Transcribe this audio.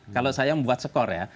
kalau saya membuat skor ya